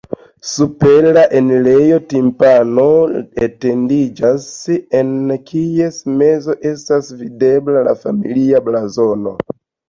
Super la enirejo timpano etendiĝas, en kies mezo estas videbla la familia blazono.